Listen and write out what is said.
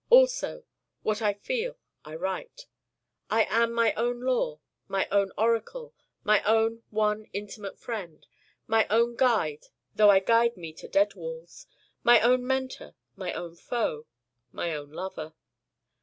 Also what I feel I write. I am my own law, my own oracle, my own one intimate friend, my own guide though I guide me to dead walls, my own mentor, my own foe, my own lover.